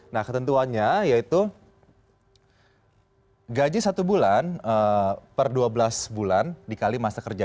nah ketentuannya yaitu gaji satu bulan per dua belas bulan dikali masa kerja